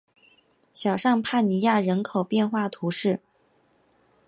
小尚帕尼亚人口变化图示